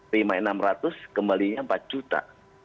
terima enam ratus kembalinya empat juta